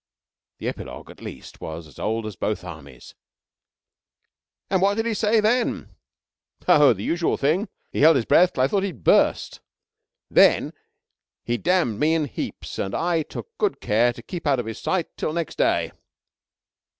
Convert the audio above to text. The epilogue, at least, was as old as both Armies: "And what did he say then?" "Oh, the usual thing. He held his breath till I thought he'd burst. Then he damned me in heaps, and I took good care to keep out of his sight till next day."